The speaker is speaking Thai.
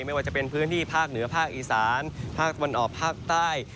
ไม่ว่าจะเป็นพื้นที่ภาคเหนือภาคอีสานภาคตะวันออกภาคใต้